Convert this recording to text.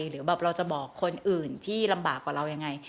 หรือแบบเราจะบอกคนอื่นที่ลำบากกว่าเรายังไง